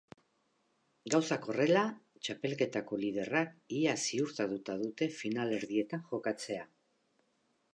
Gauzak horrela, txapelketako liderrak ia ziurtatuta dute finalerdietan jokatzea.